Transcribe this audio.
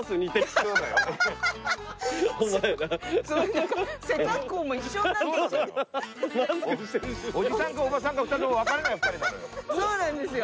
そうなんですよ。